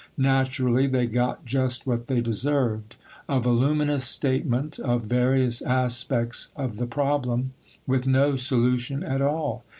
Naturally, they got just what they deserved a voluminous statement of various aspects of the problem, with no solution at all.